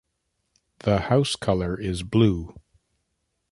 The house colour is blue.